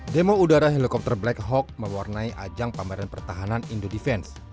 demo udara helikopter black hawk mewarnai ajang pameran pertahanan indo defense